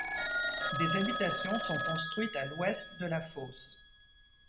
Des habitations sont construites à l'ouest de la fosse.